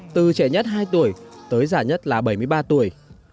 từ trẻ nhất hai tuổi tới già nhất là bảy mươi ba tuổi